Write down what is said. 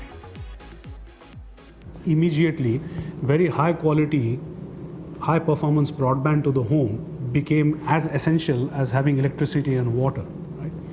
selain itu pengguna di sini juga memiliki kekuatan yang sangat berharga